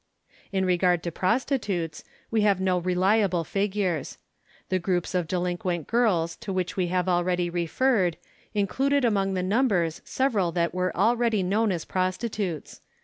In regard to prostitutes, we have no reliable figures. The groups of delinquent girls to which we have al ready referred included among the numbers several that were already known as prostitutes.